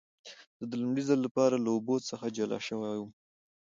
زه د لومړي ځل لپاره له اوبو څخه جلا شوی وم.